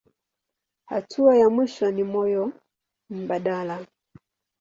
Hatua ya mwisho ni moyo mbadala.